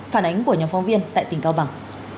phản ánh của nhóm phóng viên tại tỉnh cao bằng